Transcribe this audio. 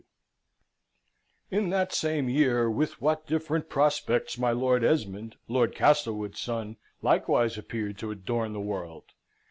W."] In that same year, with what different prospects! my Lord Esmond, Lord Castlewood's son, likewise appeared to adorn the world.